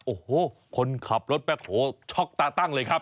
โอ้โหคนขับรถแบ็คโฮช็อกตาตั้งเลยครับ